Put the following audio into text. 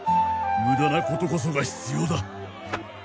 無駄なことこそが必要だ！